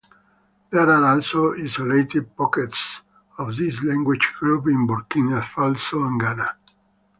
There are also isolated pockets of this language group in Burkina Faso and Ghana.